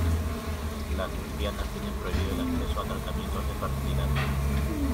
Las lesbianas tiene prohibido el acceso a tratamientos de fertilidad.